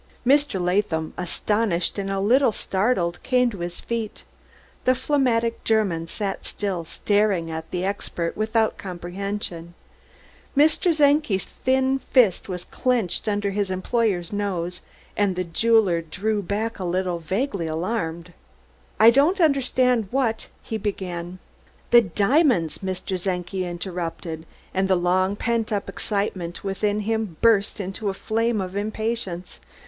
_" Mr. Latham, astonished and a little startled, came to his feet; the phlegmatic German sat still, staring at the expert without comprehension. Mr. Czenki's thin fist was clenched under his employer's nose, and the jeweler drew back a little, vaguely alarmed. "I don't understand what " he began. "The diamonds!" Mr. Czenki interrupted, and the long pent up excitement within him burst into a flame of impatience.